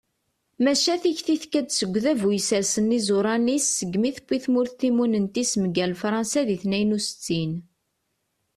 maca tikti tekka-d seg udabu yessersen iẓuṛan-is segmi tewwi tmurt timunent-is mgal fṛansa di tniyen u settin